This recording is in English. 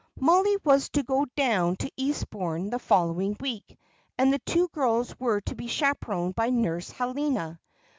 Mollie was to go down to Eastbourne the following week, and the two girls were to be chaperoned by Nurse Helena.